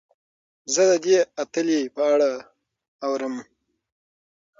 زه د دې اتلې په اړه اورم.